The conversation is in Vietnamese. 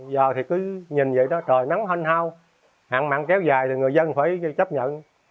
giờ thì cứ nhìn vậy đó trời nắng hanh hao hạng mặn kéo dài thì người dân phải chấp nhận